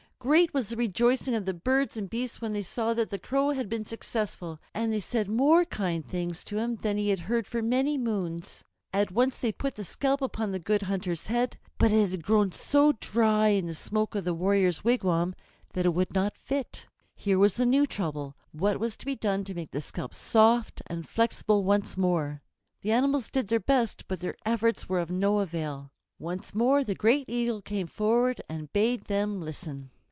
Great was the rejoicing of the birds and beasts when they saw that the Crow had been successful, and they said more kind things to him than he had heard for many moons. At once they put the scalp upon the Good Hunter's head, but it had grown so dry in the smoke of the warrior's wigwam that it would not fit. Here was a new trouble. What was to be done to make the scalp soft and flexible once more? The animals did their best, but their efforts were of no avail. Once more the great Eagle came forward and bade them listen.